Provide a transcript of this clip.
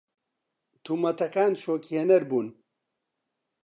تۆمەتەکان شۆکهێنەر بوون.